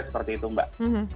seperti itu mbak